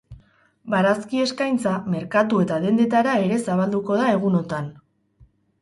Barazki eskaintza merkatu eta dendetara ere zabalduko da egunotan.